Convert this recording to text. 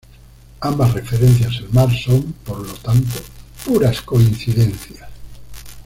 Ambas referencias al mar son, por lo tanto, puras coincidencias.